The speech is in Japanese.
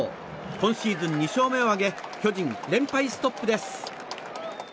今シーズン２勝目を挙げ巨人、連敗ストップです。